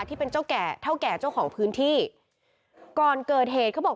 ที่เป็นเจ้าแก่เท่าแก่เจ้าของพื้นที่ก่อนเกิดเหตุเขาบอก